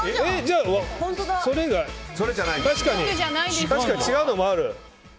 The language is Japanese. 確かに違うのもある。